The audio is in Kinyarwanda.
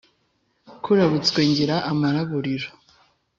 kurabutswe ngira amaraburira